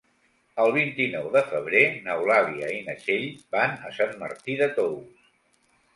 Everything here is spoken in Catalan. El vint-i-nou de febrer n'Eulàlia i na Txell van a Sant Martí de Tous.